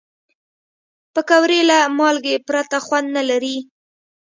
پکورې له مالګې پرته خوند نه لري